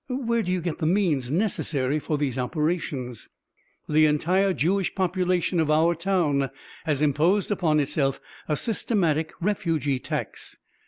"Where do you get the means necessary for these operations?" "The entire Jewish population of our town has imposed upon itself a systematic refugee tax.